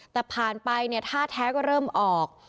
แต่ผ่านไปเนี่ยท่าแท้ก็เริ่มออก